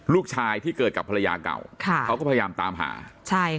ลูกชายที่เกิดกับภรรยาเก่าค่ะเขาก็พยายามตามหาใช่ค่ะ